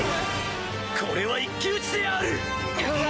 これは一騎打ちである！